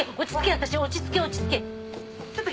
私落ち着け落ち着け！